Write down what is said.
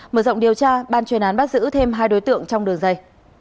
mở rộng điều tra ban chuyên án bắt giữ thêm hai đối tượng trong đường dây